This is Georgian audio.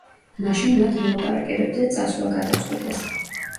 მაშინ მათ მოლაპარაკებებზე წასვლა გადაწყვიტეს.